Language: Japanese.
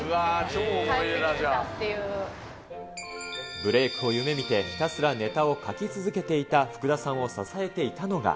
ブレークを夢みて、ひたすらネタを書き続けていた福田さんを支えていたのが。